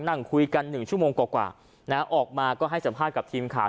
นั่งคุยกัน๑ชั่วโมงกว่าออกมาก็ให้สัมภาษณ์กับทีมข่าว